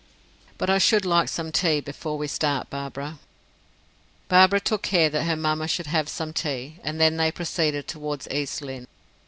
"But I should like some tea before we start, Barbara." Barbara took care that her mamma should have some tea and then they proceeded toward East Lynne.